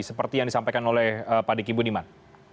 seperti yang disampaikan oleh pak diki budiman